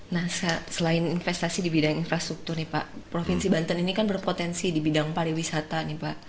nah selain investasi di bidang infrastruktur nih pak provinsi banten ini kan berpotensi di bidang pariwisata nih pak